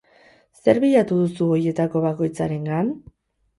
Zer bilatu duzu horietako bakoitzarengan?